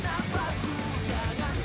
yang banyak dong